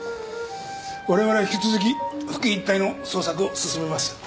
我々は引き続き付近一帯の捜索を進めます。